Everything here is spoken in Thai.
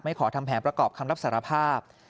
ขอทำแผนประกอบคำรับสารภาพ